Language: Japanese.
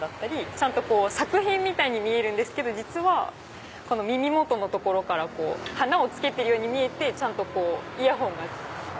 ちゃんと作品みたいに見えるんですけど実は耳元の所から花をつけてるように見えてちゃんとイヤホンが。